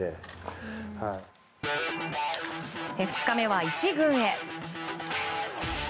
２日目は１軍へ。